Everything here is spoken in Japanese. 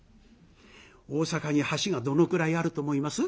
大阪に橋がどのくらいあると思います？